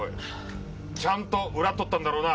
ちゃんと裏取ったんだろうな！？